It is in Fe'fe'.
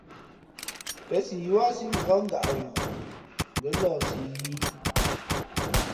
Pěn si yúάsí ngα̌k ngaʼ ghoo, ngα̌ lαhsi yī.